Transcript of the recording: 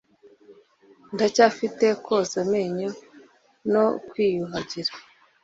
ndacyafite koza amenyo no kwiyuhagira.